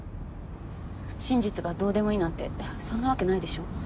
真実がどうでもいいなんてそんなわけないでしょ。